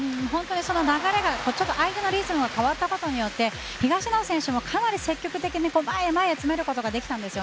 流れも相手のリズムが変わったことによって東野選手もかなり積極的に前へ、前へ詰めることができたんです。